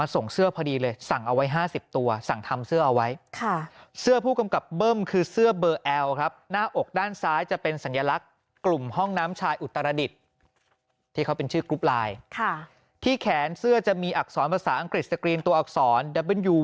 หยุดหยุดหยุดหยุดหยุดหยุดหยุดหยุดหยุดหยุดหยุดหยุด